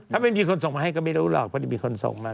ถ้าไม่มีคนส่งมาให้ก็ไม่รู้หรอกเพราะจะมีคนส่งมา